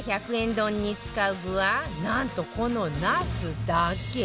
丼に使う具はなんとこの茄子だけ！